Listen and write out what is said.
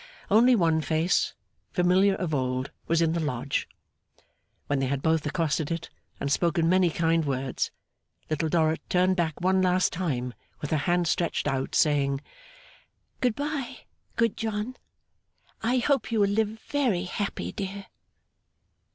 Only one face, familiar of old, was in the Lodge. When they had both accosted it, and spoken many kind words, Little Dorrit turned back one last time with her hand stretched out, saying, 'Good bye, good John! I hope you will live very happy, dear!